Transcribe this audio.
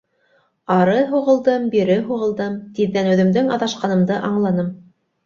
Ары һуғылдым, бире һуғылдым - тиҙҙән үҙемдең аҙашҡанымды аңланым.